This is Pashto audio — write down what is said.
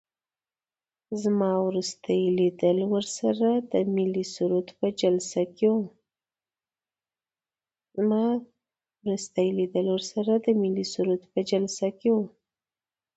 زما وروستی لیدل ورسره د ملي سرود په جلسه کې وو.